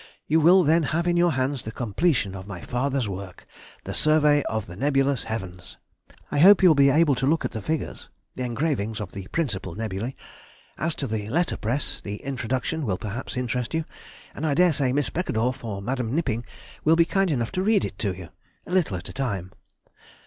You will then have in your hands the completion of my father's work—"The Survey of the Nebulous Heavens." I hope you will be able to look at the figures (the engravings of the principal nebulæ). As to the letter press, the Introduction will perhaps interest you, and I daresay Miss Beckedorff or Mde. Knipping will be kind enough to read it to you—a little at a time.